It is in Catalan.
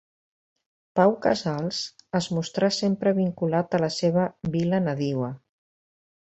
Pau Casals es mostrà sempre vinculat a la seva vila nadiua.